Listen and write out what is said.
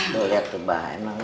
lo liat tuh bahan emangnya